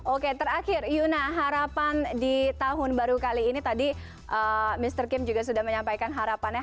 oke terakhir yuna harapan di tahun baru kali ini tadi mr kim juga sudah menyampaikan harapannya